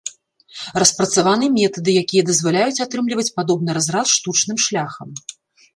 Распрацаваны метады, якія дазваляюць атрымліваць падобны разрад штучным шляхам.